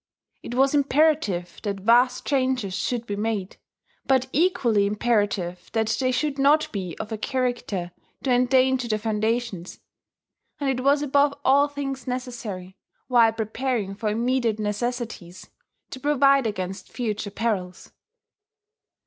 It was imperative that vast changes should be made, but equally imperative that they should not be of a character to endanger the foundations; and it was above all things necessary, while preparing for immediate necessities, to provide against future perils.